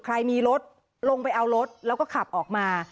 ใครมีรถลงไปเอารถแล้วก็ขับออกมา